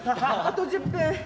あと１０分。